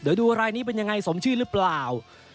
เดี๋ยวดูรายนี้เป็นยังไงสมชื่อหรือเปล่า